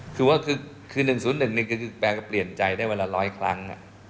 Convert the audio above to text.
คือ๑๐๑นี่แปลกับเปลี่ยนใจได้เวลาร้อยครั้ง